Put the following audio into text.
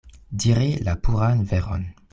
Diri la puran veron.